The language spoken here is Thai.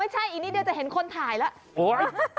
ไม่ใช่เดี๋ยวจะเห็นคนถ่ายแล้ว